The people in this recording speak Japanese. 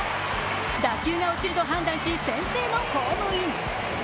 打球が落ちると判断し先制のホームイン。